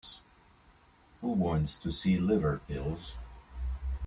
Who wants to see liver pills?